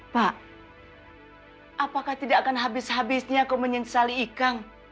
pak apakah tidak akan habis habisnya kau menyesali ikan